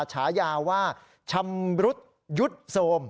ฉายาว่าชำรุดยุดโทรม